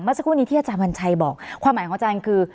สักครู่นี้ที่อาจารย์วันชัยบอกความหมายของอาจารย์คือ